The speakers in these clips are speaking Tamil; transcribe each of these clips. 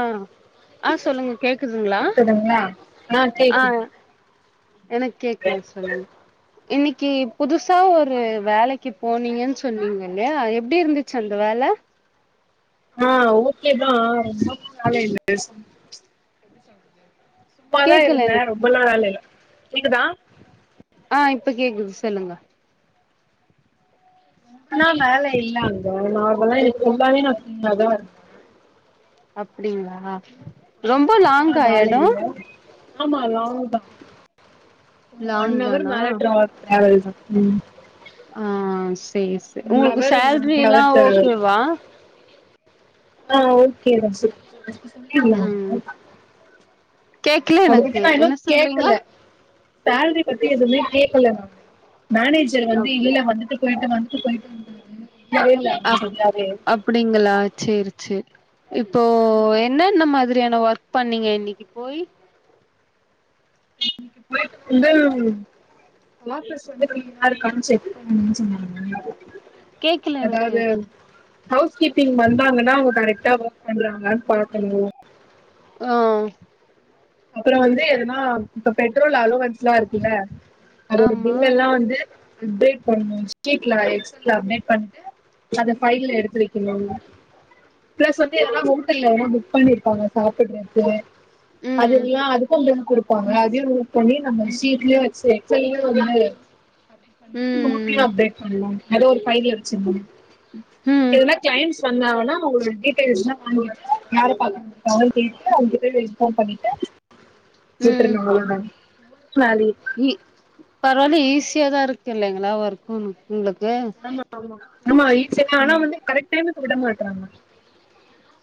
ஆஹ் ஆஹ் சொல்லுங்க கேக்குதுங்களா கேக்குதுங்களா ஆ கேக்குது ஆஹ் எனக்கு கேக்குது சொல்லுங்க இன்னைக்கு புதுசா ஒரு வேலைக்கு போனீங்கன்னு சொன்னீங்க இல்லையா எப்டி இருந்துச்சு அந்த வேலை ஆ ஓகே தான் ஆனா எங்க சும்மாதான் கேக்கல இருந்தேன் எனக்கு ரொம்பல வேலயில கேக்குதா ஆ இப்ப கேக்குது சொல்லுங்க ஆனா வேலை இல்ல அங்க நார்மலா எனக்கு ரொம்பவே நான் சும்மா தான் இருக் அப்டிங்களா ரொம்ப ரொம்பலா லாங்கா வேல எடம் இல்ல ஆமா லங் தான் லாங் ஒன்னவர் தானா மேல ட்ராவல் ம் ஆ செர் செர் ஒன் உங்களுக்கு ஹவர் சேல்ரி ஒன்ற ஹவர் எல்லாம் டிராவல் ஓகேவா ஆ ஓகே தான் சு ம் கேக்கல அவுங்க கிட்ட எனக்கு நான் என்ன இன்னும் சொல்றீங்க கேக்கல சேல்ரி பத்தி எதுவுமே கேக்கல நான் மேனேஜர் அப் வந்து இல்ல வந்துட்டு போயிட்டு வந்துட்டு போயிட்டு வந்துது தெரியல அப் யாரு அப்டிங்களா செரிசெர் இப்போ என்னன்ன மாதிரியான ஒர்க் பண்ணீங்க இன்னைக்கி போய் இந்த [unintelligible] [unintelligible] [unintelligible] கேக்கல எனக்கு அதாவது ஹவுஸ் கீப்பிங் வந்தாங்கன்னா அவங்க கரெக்டா ஒர்க் பண்றாங்களானு பாக்கணும் ஆ அப்புறம் வந்து எதுனா இப்ப பெட்ரோல் அலோவன்ஸ் லாம் இருக்குல்ல அதோட ஆமா பில் எல்லாம் வந்து அப்டேட் பண்ணு ஸ்டேக் க்ள அப்டேட் பண்ணிட்டு எல்லாமே ஃபைல்ல எடுத்து வைக்கணும் இல்லைங்களா பிளஸ் வந்து எல்லாம் ஹோட்டல்ல எல்லாம் புக் பண்ணிருப்பாங்க சாப்பிடுறக்கு அது ம் எல்லாம் அதுக்கும் பீல் கொடுப்பாங்க அதையும் நோட் பண்ணி நம்ம சஷீட்லயும் வச்சு வந்து [unintelligible] ம் நோட்லயும் அப்டேட் பண்ணுவாங்க அது ஒரு ஃபையிலா வைச்சிறனும் ம் இதுல க்கைம்ஸ் பன்னாங்கனா உங்களோட டீட்டெல்ஸ் லா வாங்கி யார பாக்கனும் கேட்டு அவங்கிட்ட இன்பார் பண்ணி ம் கேட்டறனும் அவ்ளதான் [unintelligible] இ பரவாயில்ல ஈஸியாதான் இருக்கு இல்லங்களா ஒர்க்கு உங்களுக்கு ஆமா ஆமா ஆமா ஈசியான வேலை தா ஆனா வந்து கரெக்ட் டைமுக்கு விட மாட்டறாங்க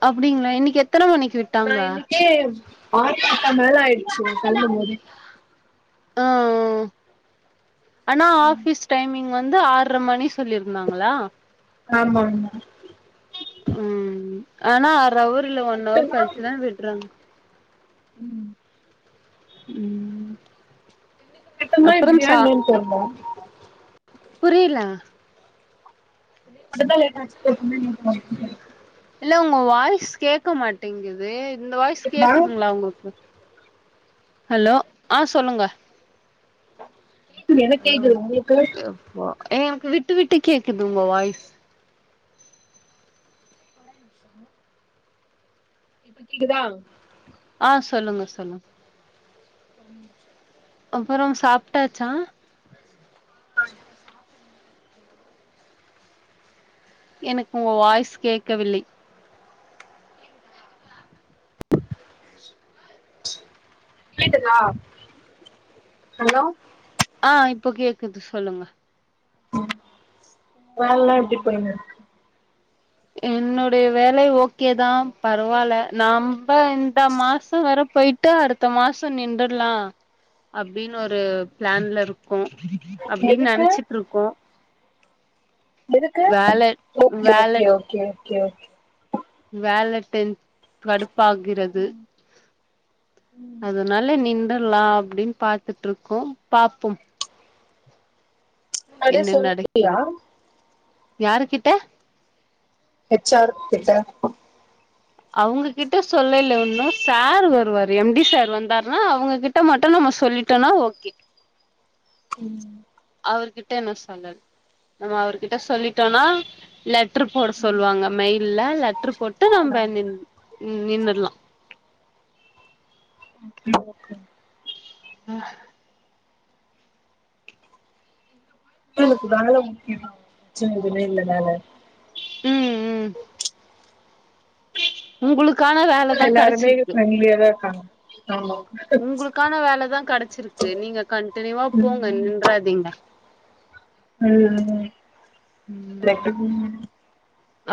அப்டிங்களா இன்னைக்கு எத்தனை மணிக்கு விட்டாங்க ஆள் தாத்தா மாரி ஆயிடுச்சு என்ன தள்ளும் போது ஆ ஆ ஆனா ஆஃபீஸ் டைமிங் வந்து ஆறரை மணி சொல்லியிருந்தாங்களா ஆமாமா ம் ஆனா ஆர்ற அவரு இல்ல ஒன் அவர் மட்டும்தான் கழிச்சிதா விடுறாங்க ம் ம் இப்பதா இப்டியான்னு நின்னுட்டு வந்தோ புரியலா மட்டுதா கேக்கறா [unintelligible] இல்ல உங்க வாய்ஸ் கேட்க மாட்டேங்கிது இந்த வாய்ஸ் கேட்டுதான் கேக்குதுங்களா உங்களு அ ஹலோ ஆ சொல்லுங்க எனக் கேக்குது உங்களுக்கு வ எனக்கு விட்டு விட்டு கேக்குது உங்க வாய்ஸ் இப்ப கேக்குதா ஆ சொல்லுங்க சொல்லுங்க அப்பறோ சாப்ட்டாச்சா எனக்கு உங்க வாய்ஸ் கேட்கவில்லை கேட்டுதா ஹலோ ஆ இப்போ கேக்குது சொல்லுங்க வேல்லா எப்படி போயின்னுருக் என்னுடைய வேலை ஓகே தா பரவால்ல நம்ப இந்த மாசே வேற போயிட் டு அடுத்த மாசோ நின்டர்லா அப்டின்னு ஒரு பிளான்ல இருக்கோ இருக்கு அப்டின்னு எதுக்கு நெனைச்சிட்டுருக்கோ எதுக்கு ஓகே ஓகே வேலட் ஓகே ஓகே ஓக் வேல டென் கடுப்பாகிறது அதனால நின்றர்லாம் அப்டின்னு பாத்துட்டுருக்கோ பாப்போம் அடே சொல்லிட்டிப்பியா யாருக்கிட்ட ஹெச் ஆர் ஹெச் ஆர் அவங்ககிட்ட சொல்லல்ல இன்னும் சார் வருவாரு எம் டி சார் வந்தாருன்னா அவங்ககிட்ட ட்ட மட்டு நம்ம சொல்லிட்டோனா ஓகே ம் அவர்கிட்ட இன்னு சொல்லல் நம்ம அவர்கிட்ட சொல்லிட்டோன்னா லட் டர் போட சொல்லுவாங்க மெயில்ல லெட்டர் போட்டு நம்ப நின் நின்னர்லா ம் ஓகே ம் எனக்கு வேல முக்கியோ பிரச்சனை எதுமே இல்ல வேல ம் ம் உங்களுக்கான வே க்குள்ள எல்லாருமே ஃப்ரெண்ட்லியாதா இருக்காங்க ஆமா உங்களுக்கான வேலதா கடைச்சிருக்கு நீங்க கண்டினியூவா போங்க ம் நின்றாதீங்க ம் ம் கட்டபொம்மன்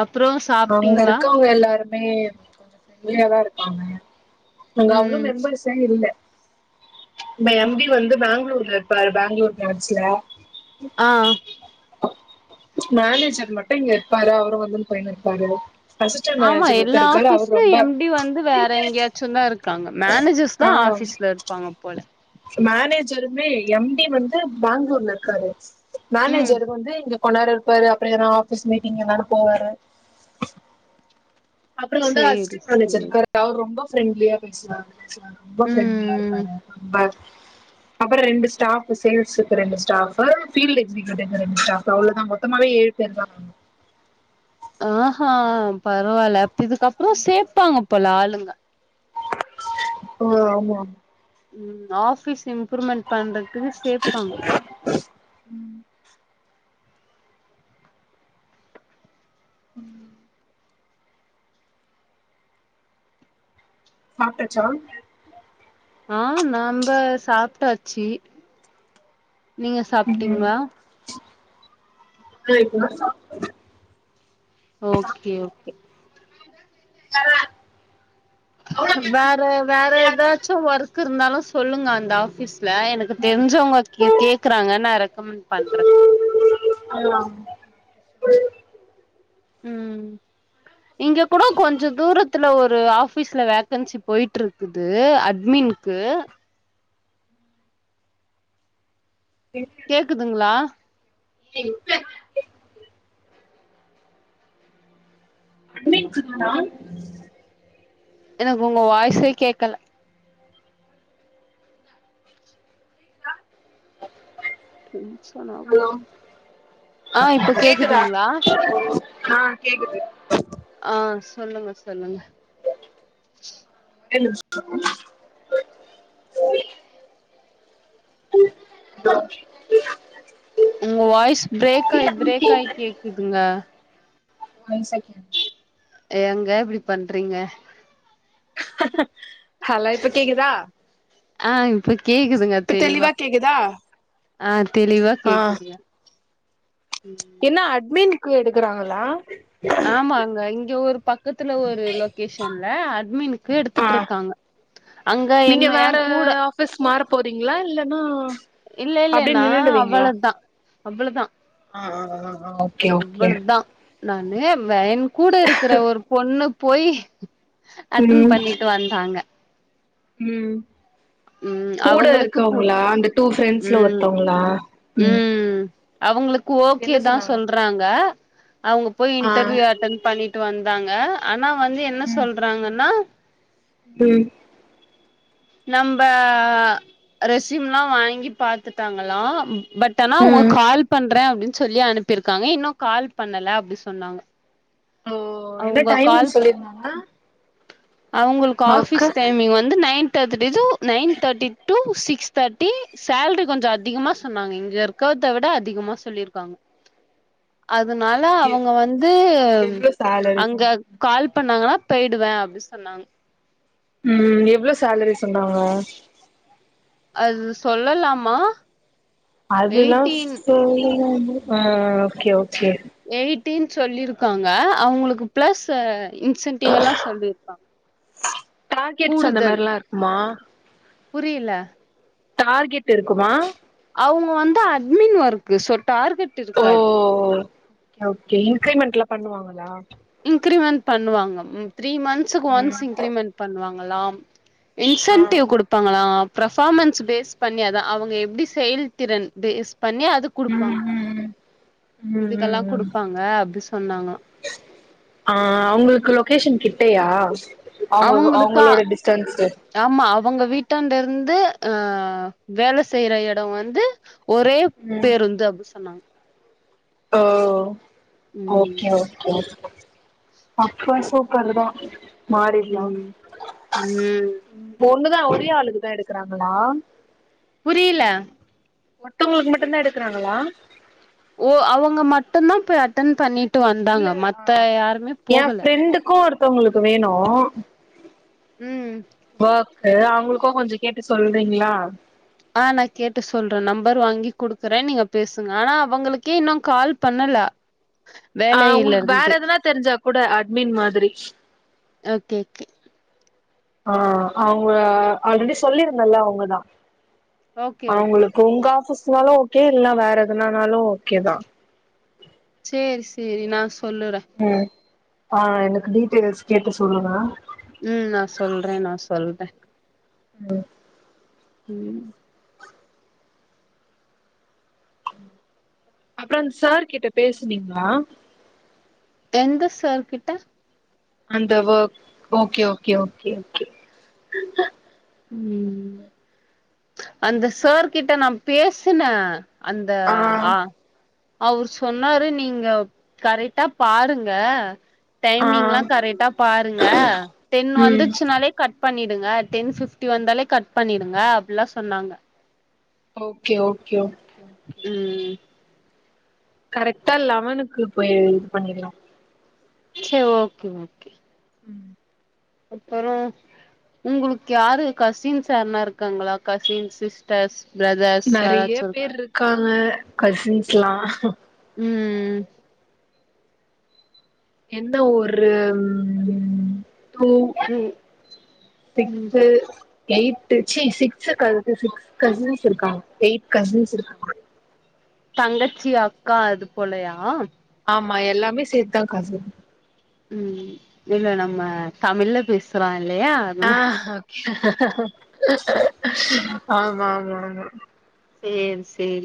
அப்றோ அங்க சாப்ட்டீங்ளா இருக்கவுங்க எல்லாரும் பமே கொஞ்ச ப்ரண்டலியா தா இருப்பாங்க அங்க அவ்ளோ ம் மெம்பர்ஸே இல்ல இ எம்டி வந்து பெங்களூர்ல இருப்பாரு பெங்களூர் ப்ரான்ச்ல ஆ ஆ மேனேஜர் மட்டு இங்க இருப்பாரு அவரு வந்துன் போயின்ருப்பாரு ஆமா எல்லா ஆஃபிஸ்லயு எம்டி வந்து வேற எங்கயாச் சொன்னா இருக்காங்க மேனேஜர்ஸ் தா ஆபீஸ்ல இருப்பாங்க போல மேனேஜாருமே எம்டி வந்து பெங்களூர்ல இருக்காரு ம் மேனேஜர் வந்து இங்க கொஞ்ச நேரோ இருப்பாரு அப்பறோ எதுனா ஆபீஸ் மீட்டிங் எங்கயாது போவாரு அப்பறோ வந்து சேரி அசிஸ்டன்ட் மேனேஜர் சேரி இருக்காரு அவர் ரொம்ப ஃப்ரெண்ட்லியா பேசுவாரு ரொம்ப ஃப்ரெண்ட்லியா ம் இருப்பாரு ரொம்ப அப்பறோ ரெண்டு ஸ்டாஃப்பு சேல்ஸுக்கு ரெண்டு ஸ்டாஃப்பு ஃபீல்டு எக்ஸிக்யூட்டிவ் ரெண்டு ஸ்டா அவ்ளோ தா மொத்தமாவே ஏழு சேர் தாங்க ஆ ஹா பரவாயில்ல இப் இதுக்கப்றோ சேப்பாங்க போல ஆளுங்க இப்பவே ஆமா ம் ஆபீஸ் இம்ப்ரூவ்மெண்ட் பண்றதுக்குனு சேப்பாங்க ம் சாப்டாச்சா ஆ நம்ப சாப்ட்டாச்சு நீங்க ம் சாப்ட்டீங்களா ஆ இப்பதா சாப் ஓகே ஓகே [unintelligible] வேற வேற எதாச்சு ஒர்க்கு இருந்தாலு சொல்லுங்க அந்த ஆபிஸ்ல எனக் க்கு தெரிஞ்சவுங்க கேக் கேக்குறாங்க நா ரெக்கமெண்ட் பண்றே நாங்க தா ம் இங்க கூட கொஞ்ச தூரத்துல ஒரு ஆபீஸ்ல வேல ககன்சி போயிட்ருக்குது அட்மின்க்கு எங்க கேக்குதுங்ளா எங் க அட்மின்ஸுக்கு நான் எனக்கு உங்க வாய்ஸே கேக்கல ம் டென்ஷனாவுது ஹலோ ஆ கேக்குது ஆ சொல்லுங்க சொல்லுங்க [unintelligible] உங்க வாய்ஸ் ப்ரேக் ஆயி ப்ரேக் ஆயி கேக்குதுங்க ஒன் செகண்ட் எங்க இப்டி பண்றீங்க ஹலோ இப்போ கேக்குதா ஆ இப்ப கேக்குதுங்க இப்ப தெளிவா கேக்குதா ஆ தெளிவா ஆ கேக்குதுங்க என்ன அட்மினுக்கு எடுக்குறாங்களா ஆமாங்க இங்க ஒரு பக்கத்துல ஒரு லொகேஷன்ல அட்மினுக்கு ஆ எடுத்துட்ருக்காங்க அங்க இன்னு ஏ கூட ஆபிஸ் மாற போறீங்ளா இல்லன்னா இல்ல இல்ல அப்டியே நா நின்னுடுவீங்களா அவ்வளதா அவ்ளதா ஆ ஆ ஆ ஓகே ஓகே அவ்வளதா நானு வயன் கூட இருக்கற ஒரு பொண்ணு போய் அட்டன் ம் பண்ணிட்டு வந்தாங்க ம் ம் கூட அவங்களுக்கு புடு இருக்கவுங்ளா அந்த டூ ஃபிரெண்ட்ஸ்ல ம் ஒருத்தவுங்ளா அவுங்களுக்கு ஓ கே தா சொல்றாங்க அவுங்க போய் ஆ இன்டர்வியூ அட்டன் பண்ணி டு வந்தாங்க ஆனா வந்து என்ன ம் சொல்றாங்கன்னா ம் நம்ப ரெசியும்லா வாங்கி பாத்துட்டாங்களா பட் ஆனா உங்க ம் கால் பண்றே அப்டின் சொல்லி அனுப்பிருக்காங்க இன்னு கால் பண்ணல அப்டி சொன்னாங்க ஓ என்ன அவங்க டைமிங் சொல்லிருந்தாங்க அவுங்களுக்கு ஒர்க்கு ஆஃபிஸ் டைமிங் வந்து நைன் தேட்டி டூ நைன் தேட்டி டூ சிக்ஸ் தேட்டி சேலரி கொஞ்ச அதிகமா சொன்னாங்க இங்க இருக்கறத விட அதிகமா சொல்லிருக்காங்க அதுனால எ அவுங்க வந்து எவ்ளோ சேலரி அங்க சொன்னாங்க கால் பண்ணாங்கனா போய்டுவே அப்டி சொன்னாங் ம் எவ்ளோ சேலரி சொன்னாங்க அது சொல்லலாமா அதுல்லா எயிட்டீன் ஆ ஒகே ஓகே எய்ட்டின் சொல்லிருக்காங்க அவுங்களுக்கு பிளஸ் ஆ இன்சென்டிவ்வ எல்லா சொல்லிர்க்காங்க டார்கெட்ஸ் அந்த மாரிலா இருக்குமா புரியல டார்கெட் இருக்குமா அவுங்க வந்து அட்மின் ஒர்க்கு ஸோ டார்கெட் இருக்காது ஓ கே ஓகே இன்கிரிமெண்ட்லா பண்ணுவாங்களா இன்கிரிமென் பண்ணுவாங்க ம் த்ரீ மந்ஸ்க்கு ஒன்ஸ் ம் இன்கிரிமென் பண்ணுவாங்களாம் ஆ இன்சன்டிவ் குடுப் பாங்களா பிரப்பாஃமனஸ் பேஸ் பண்ணி அதா அவுங்க எப்டி செயல்திறன் பேஸ் பண்ணி அது ம் குடுப்பாங்க ம் ம் ம் இதுக்கெல்லா ம் ம் குடுப்பாங்க அப்டி சொன்னாங்களா ஆ அவுங்களுக்கு லொகேஷன் கிட்டையா அவுங்களுக்கா ஆமா அவங்க வீட்டாண்ட இருந்து அ வேல செய்யற எடோ வந்து ஒரே ம் பேருந்து அப்டின் சொன்னாங்க ஒ ஓகே ம் ஓகே அப்ப சூப்பர்தா மாறிட்லா ம் ம் பொண்ணுதா ஒரே ஆளுக்குதா எடுக்குறாங்களா புரியில மொட்டவங்களுக்கு மட்டு தா எடுக்கறாங்களா ஓ அவுங்க மட்டு்ந்தா போய் அட்டன் பண்ணிட்டு வந்தாங்க மத்த யாருமே போகல ரெண்டுக்கு ஒருத்தவங்களுக்கு வேணு ம் வ கு அவுங்களுக்கு கொஞ்ச கேட்டு சொல்றீங்ளா ஆ நா கேட்டு சொல்ற நம்பர் வாங்கி குடுக்கறே நீங்க பேசுங்க ஆனா அவங்களுக்கே இன்னு கால் பண்ணல ஆ வேலையில உங்களுக்கு வேற இருந்து எதனான தெரிஞ்சா கூட அட்மின் மாதிரி ஓகே ஓகே ஆ அவ்ங்க ஆல்ரெடி சொல்லி இருந்த இல்ல அவ்ங்கதா ஓகே ஓகே அவங்களுக்கு உங்க ஆபீஸ்னாலு ஓகே இல்ல வேற எதனாலு ஓகேதா சேரி சேரி நா சொல்லுறே ம் ஆ எனக்கு டீட்டெயில்ஸ் கேட்டு சொல்லுங்க ம் நா சொல்றே நா சொல்றே ம் ம் அப்புற அந்த சார் கிட்ட பேசுனிங்களா எந்த சார் கிட்டா அந்த work okay okay okay okay ம் அந்த சார் கிட்ட நா பேசுன அந்த ஆ அவரு சொன்னாரு நீங்க கரெக்டா பாருங்க ஆ டைமிங் எல்லா கரெக்டா பாருங்க டென் ம் வந்துச்சுனாலே கட் பண்ணிடுங்க டென் பிப்டி வந்தாலே கட் பண்ணிடுங்க அப்டி எல்லா சொன்னாங்க ஓகே ஓகே ஓ ம் கரெக்ட்டா லெவனுக்கு போயி இது பண்ணிடலா சேரி ஓகே ஓகே ம் அப்புறோ உங்களுக்கு யாரு கசின்ஸ் யாருனா இருக்காங்களா கசின் சிஸ்டர்ஸ் பிதர்ஸ் நெறைய யார்ராச்சு பேர் இருக்காங்க கசின்ஸ் எல்லா ம் எந்த ஒரு பூ ம் ம் டிக்கு எய்டு சிக்ஸ் க இது சிக்ஸ் கசின்ஸ் இருக்காங்க எயிட் கசின்ஸ் இருக்காங்க தங்கச்சி அக்கா அது போலயா ஆமா எல்லாமே சேத்துதா கசின்ஸ் ம் இல்ல நம்ம தமிழல பேசுற இல்லையா ஆ அதனால ஆமா ஆமா ஆமா சேரி சேரி